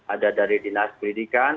ada dari dinas pendidikan